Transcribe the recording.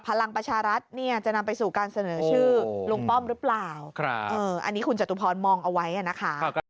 พลังประชารัฐจะนำไปสู่การเสนอชื่อลุงป้อมหรือเปล่า